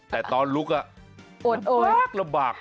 แต่ตอนลุกมันแป๊กระบาก